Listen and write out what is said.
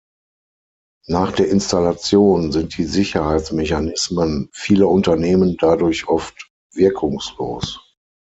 Nach der Installation sind die Sicherheitsmechanismen vieler Unternehmen dadurch oft wirkungslos.